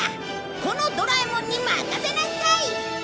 このドラえもんに任せなさい！